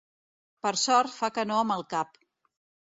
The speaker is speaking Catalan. Per sort fa que no amb el cap.